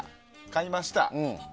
買いました。